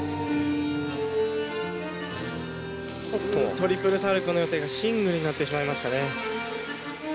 トリプルサルコウの予定がシングルになってしまいましたね。